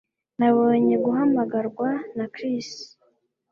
Nabonye guhamagarwa na Chris